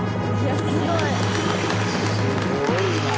「すごいな！」